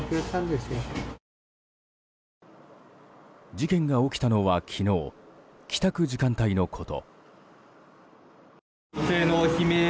事件が起きたのは昨日帰宅時間帯のこと。